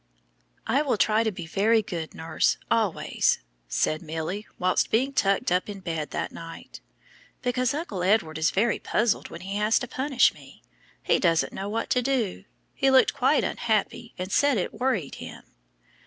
"I will try to be very good, nurse, always," said Milly while being tucked up in bed that night, "because Uncle Edward is very puzzled when he has to punish me. He doesn't know what to do. He looked quite unhappy and said it worried him."